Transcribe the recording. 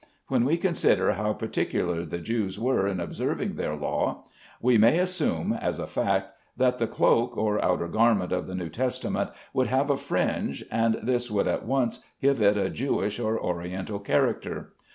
When we consider how particular the Jews were in observing their law, we may assume, as a fact, that the cloak or outer garment of the New Testament would have a fringe, and this would at once give it a Jewish or Oriental character.